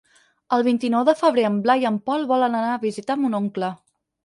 El vint-i-nou de febrer en Blai i en Pol volen anar a visitar mon oncle.